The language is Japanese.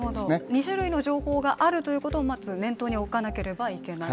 ２種類の情報があることをまず念頭に置かなければいけない。